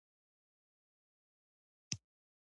ځینې مشران د اصلاحاتو مخالفت کوي.